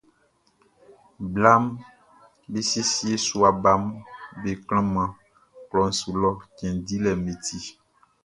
Blaʼm be siesie sua baʼm be klanman klɔʼn su lɔ cɛn dilɛʼm be ti.